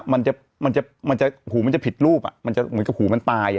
มันจะมันจะหูมันจะผิดรูปอ่ะมันจะเหมือนกับหูมันตายอ่ะ